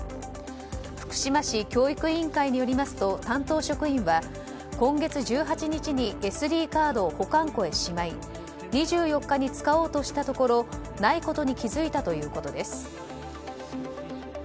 福島市教育委員会によりますと担当職員は今月１８日にＳＤカードを保管庫へしまい２４日に使おうとしたところないことに気付いたということです。